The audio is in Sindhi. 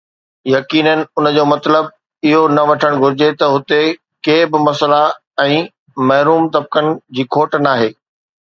يقينن، ان جو مطلب اهو نه وٺڻ گهرجي ته هتي ڪي به مسئلا ۽ محروم طبقن جي کوٽ ناهي.